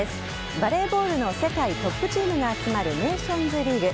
バレーボールの世界トップチームが集まるネーションズリーグ